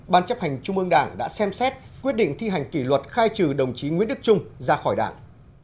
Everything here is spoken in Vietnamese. ban chấp hành trung ương đảng đã xem xét quyết định thi hành kỷ luật khai trừ đồng chí nguyễn đức trung ra khỏi đảng